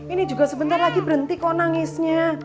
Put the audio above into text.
ini juga sebentar lagi berhenti kok nangisnya